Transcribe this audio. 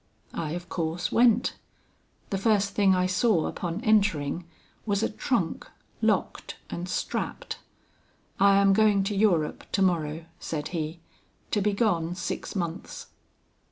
"I of course went. The first thing I saw upon entering was a trunk locked and strapped. 'I am going to Europe to morrow,' said he, 'to be gone six months.'